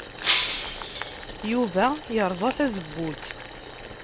Yuba yerẓa tazewwut.